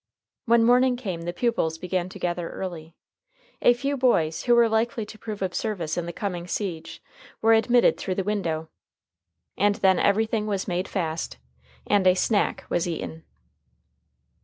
When morning came, the pupils began to gather early. A few boys who were likely to prove of service in the coming siege were admitted through the window, and then everything was made fast, and a "snack" was eaten.